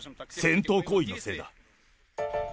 戦闘行為のせいだ。